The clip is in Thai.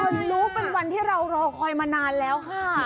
รู้เป็นวันที่เรารอคอยมานานแล้วค่ะ